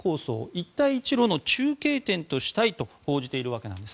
一帯一路の中継点としたいと報じているわけなんです。